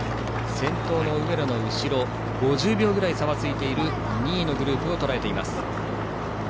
先頭の上野の後ろ５０秒ぐらい差がついている２位のグループをとらえています。